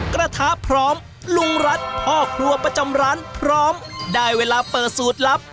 กระทะพร้อมลุงรัฐพ่อครัวประจำร้านพร้อมได้เวลาเปิดสูตรลับ